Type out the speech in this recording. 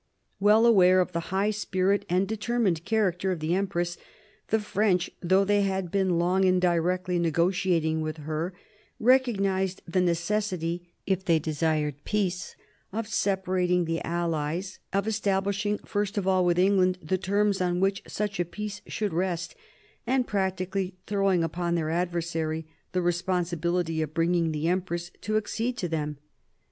Well aware of the high spirit and determined character of the empress, the French, though they had been long indirectly negotiating with her, recognised the necessity, if they desired peace, of separating the allies ; of establishing first of all with England the terms on which such a peace should rest, and practically throwing upon their adversary the responsibility of bringing the empress to accede to them.